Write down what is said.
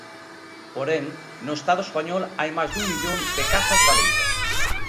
Porén, no Estado español hai máis dun millón de casas baleiras.